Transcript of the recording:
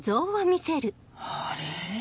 あれ？